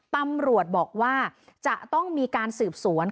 ตำรวจบอกว่าจะต้องมีการสืบสวน